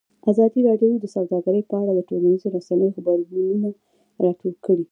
ازادي راډیو د سوداګري په اړه د ټولنیزو رسنیو غبرګونونه راټول کړي.